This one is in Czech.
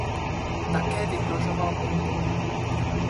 Také vyhrožoval bombou.